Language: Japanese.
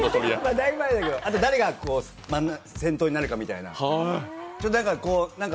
大分前だけど、あと誰が先頭になるかみたいな。